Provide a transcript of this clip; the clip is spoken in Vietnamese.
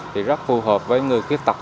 thì rất phù hợp với người khuyết tật